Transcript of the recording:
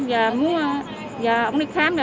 giờ muốn giờ không đi khám